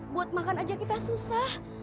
buat makan aja kita susah